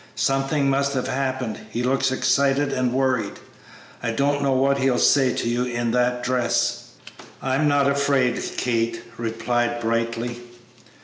Something must have happened; he looks excited and worried. I don't know what he'll say to you in that dress." "I'm not afraid," Kate replied, brightly.